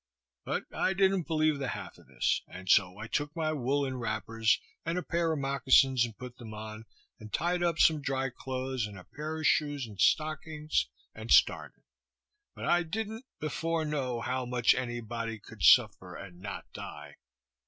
But I didn't believe the half of this; and so I took my woolen wrappers, and a pair of mockasins, and put them on, and tied up some dry clothes and a pair of shoes and stockings, and started. But I didn't before know how much any body could suffer and not die.